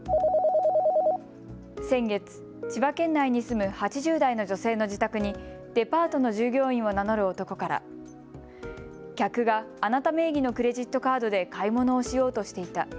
先月、千葉県内に住む８０代の女性の自宅にデパートの従業員を名乗る男から客があなた名義のクレジットカードで買い物をしようとしていた。